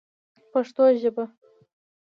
پښتو ژبه